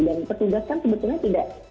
dan petugas kan sebetulnya tidak